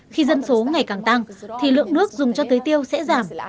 khi dân số ngày càng tăng thì lượng nước dùng cho tưới tiêu sẽ giảm